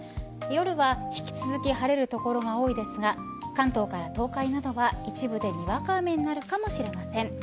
夜は引き続き晴れる所が多いですが関東から東海などは一部でにわか雨になるかもしれません。